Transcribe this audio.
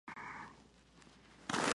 Hay abundante vegetación, paisajes y fauna.